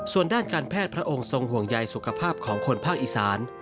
ส่วนด้านการแพทย์พระองค์ทรงห่วงใยสุขภาพของคนภาคอีสาน